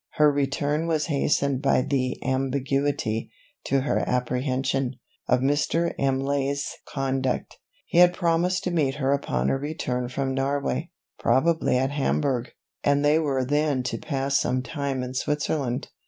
Her return was hastened by the ambiguity, to her apprehension, of Mr. Imlay's conduct. He had promised to meet her upon her return from Norway, probably at Hamburgh; and they were then to pass some time in Switzerland.